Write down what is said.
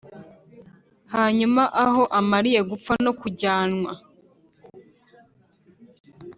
“hanyuma aho amariye gupfa no kujyanwa